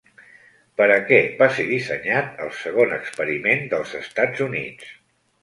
Per a què va ser dissenyat el segon experiment dels Estats Units?